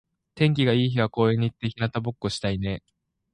天気が良い日は公園に行って日向ぼっこしたいね。